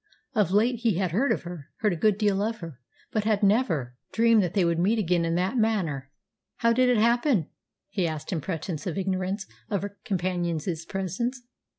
Of late he had heard of her heard a good deal of her but had never dreamed that they would meet again in that manner. "How did it happen?" he asked in pretence of ignorance of her companion's presence.